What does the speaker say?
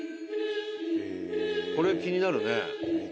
これ気になるね。